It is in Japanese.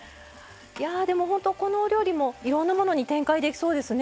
いやぁでもほんとこのお料理もいろんなものに展開できそうですね。